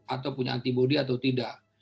atau punya antibody atau tidak